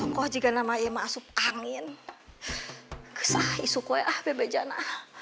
kok juga nama emasup angin kesah isu kue ah bebe jana